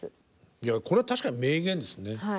いやこれは確かに名言ですね。